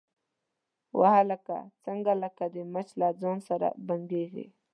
_وه هلکه، څنګه لکه مچ له ځان سره بنګېږې؟